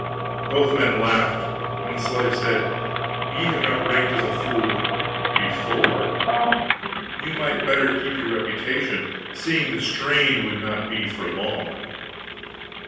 Both men laughed, and the slave said: "Ye have not ranked as a fool before. You might better keep your reputation, seeing the strain would not be for long."